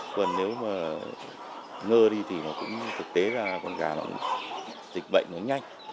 còn nếu mà ngơ đi thì nó cũng thực tế là con gà nó cũng dịch bệnh nó nhanh